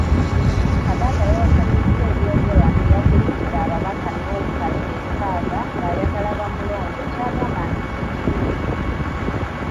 Kadaga yawakanyizza ebyogerwa nti yaguliridde ababaka n'obukadde nkaaga ng'ayagala bamulonde ky'agamba nti si kituufu.